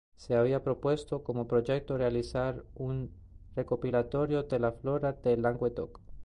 Se había propuesto como proyecto realizar un recopilatorio de la flora de Languedoc.